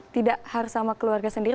tidak harus sama keluarga sendiri